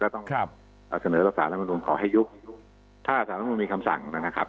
ต้องเสนอรัฐศาสน์และมนุษย์ขอให้ยุคถ้าสารรัฐมนุษย์มีคำสั่งนะครับ